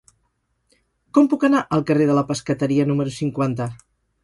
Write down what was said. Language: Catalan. Com puc anar al carrer de la Pescateria número cinquanta?